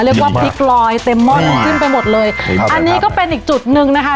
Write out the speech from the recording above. เรียกว่าพริกลอยเต็มม่อนขึ้นไปหมดเลยครับอันนี้ก็เป็นอีกจุดหนึ่งนะคะ